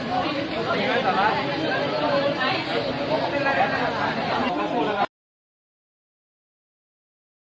โปรดติดตามตอนต่อไป